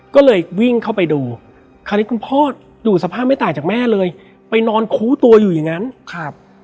ก็เลยวิ่งเข้าไปดูคราวนี้คุณพ่อดูสภาพไม่ต่างจากแม่เลยไปนอนคู้ตัวอยู่อย่างนั้นครับ